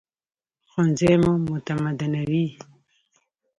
ښوونځی مو متمدنوي